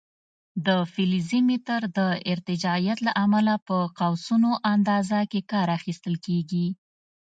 د فلزي متر د ارتجاعیت له امله په قوسونو اندازه کې کار اخیستل کېږي.